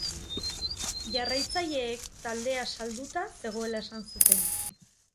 Jarraitzaileek taldea salduta zegoela esan zuten.